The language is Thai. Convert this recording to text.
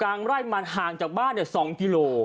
ตกใยมันห่างจากบ้าน๒กก